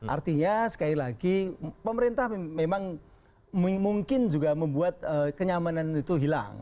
artinya sekali lagi pemerintah memang mungkin juga membuat kenyamanan itu hilang